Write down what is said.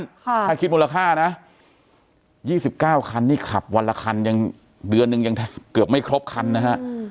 ถ้าคิดมูลค่านะ๒๙คันนี่ขับวันละคันยังเดือนนึงยังเกือบไม่ครบคันนะฮะ